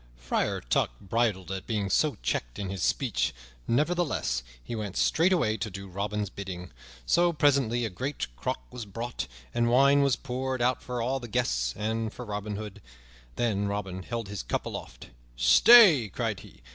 Friar Tuck bridled at being so checked in his speech, nevertheless he went straightway to do Robin's bidding; so presently a great crock was brought, and wine was poured out for all the guests and for Robin Hood. Then Robin held his cup aloft. "Stay!" cried he.